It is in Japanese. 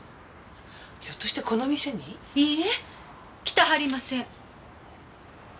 ひょっとしてこの店に？いいえ来たはりません。